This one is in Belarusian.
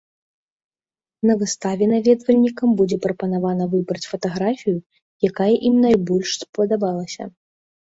На выставе наведвальнікам будзе прапанавана выбраць фатаграфію, якая ім найбольш спадабалася.